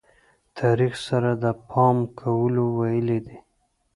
تاریخ سره د پام کولو ویلې دي.